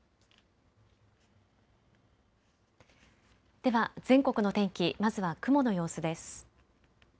では全国の天気、まずは雲の様子です。